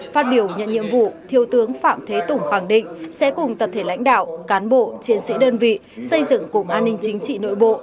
phát biểu nhận nhiệm vụ thiếu tướng phạm thế tùng khẳng định sẽ cùng tập thể lãnh đạo cán bộ chiến sĩ đơn vị xây dựng cục an ninh chính trị nội bộ